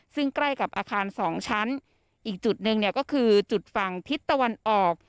ซึ่งใกล้กับอาคารสองชั้นอีกจุดหนึ่งเนี่ยก็คือจุดฝั่งทิศตะวันออก